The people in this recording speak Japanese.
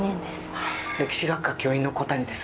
あぁ歴史学科教員の小谷です。